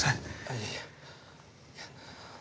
いやいや。